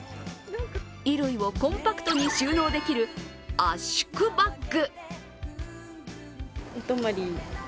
衣類をコンパクトに収納できる圧縮バッグ。